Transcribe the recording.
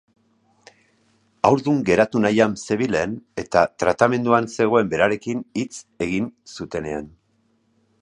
Haurdun geratu nahian zebilen eta tratamenduan zegoen berarekin hitz egin zutenean.